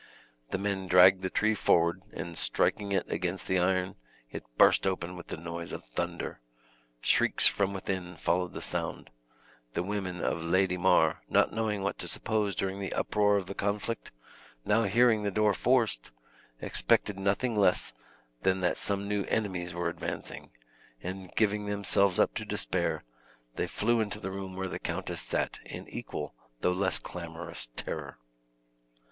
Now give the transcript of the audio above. The men dragged the tree forward, and striking it against the iron, it burst open with the noise of thunder. Shrieks from within followed the sound. The women of Lady Mar, not knowing what to suppose during the uproar of the conflict, now hearing the door forced, expected nothing less than that some new enemies were advancing; and, giving themselves up to despair, they flew into the room where the countess sat in equal though less clamorous terror.